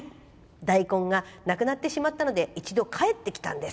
大根がなくなってしまったので一度、帰ってきたんです。